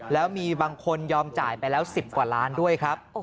แล้วมีบางคนยอมจ่ายไปแล้ว๑๐กว่าล้านด้วยครับ